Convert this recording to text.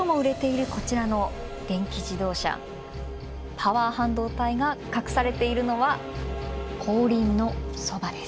パワー半導体が隠されているのは後輪のそばです。